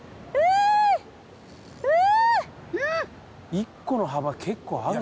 １個の幅結構あるね。